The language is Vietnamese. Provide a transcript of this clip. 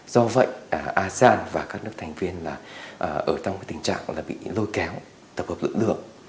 do vậy asean và các nước thành viên ở trong tình trạng bị lôi kéo tập hợp lực lượng